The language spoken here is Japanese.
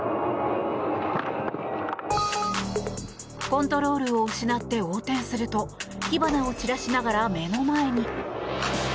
コントロールを失って横転すると火花を散らしながら目の前に。